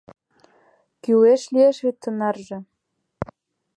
Кӱлеш лиеш вет тынарже?